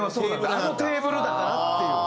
「あのテーブル」だからっていう。